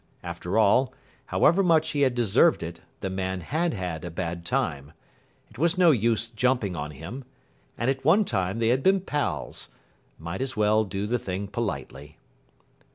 After all, however much he had deserved it, the man had had a bad time. It was no use jumping on him. And at one time they had been pals. Might as well do the thing politely.